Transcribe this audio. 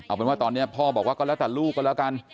เอาเป็นว่าตอนนี้พ่อบอกว่าก็แล้วแต่ลูกก็แล้วกัน